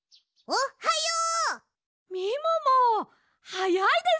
おはよう。